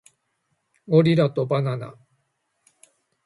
ゴリラとバナナ